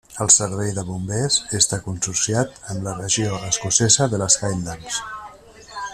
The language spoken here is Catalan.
El servei de bombers està consorciat amb la regió escocesa de les Highlands.